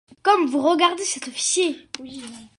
Comme vous regardez cet officier!